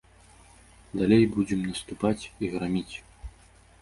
Далей будзем наступаць і граміць.